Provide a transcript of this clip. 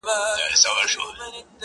پخوا د كلي په گودر كي جـادو؛